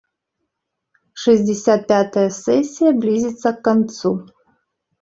Шестьдесят пятая сессия близится к концу.